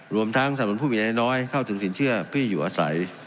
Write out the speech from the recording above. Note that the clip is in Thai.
รวมทั้งสนุนผู้มีรายได้น้อยเข้าถึงสินเชื่อพี่อยู่อาศัย